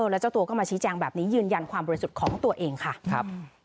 แล้วเจ้าตัวก็มาชี้แจงแบบนี้ยืนยันความบริสุทธิ์ของตัวเองค่ะครับ